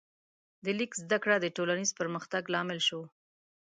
د لیک زده کړه د ټولنیز پرمختګ لامل شوه.